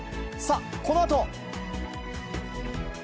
さあ、このあと。